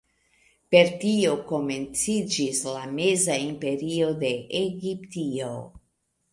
Per tio komenciĝis la Meza Imperio de Egiptio.